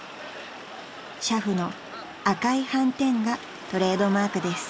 ［俥夫の赤いはんてんがトレードマークです］